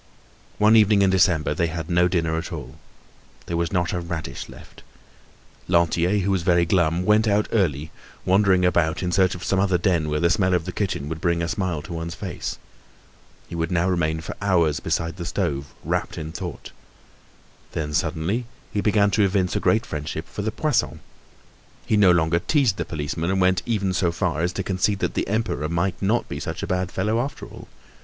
One evening in December they had no dinner at all. There was not a radish left. Lantier, who was very glum, went out early, wandering about in search of some other den where the smell of the kitchen would bring a smile to one's face. He would now remain for hours beside the stove wrapt in thought. Then, suddenly, he began to evince a great friendship for the Poissons. He no longer teased the policeman and even went so far as to concede that the Emperor might not be such a bad fellow after all.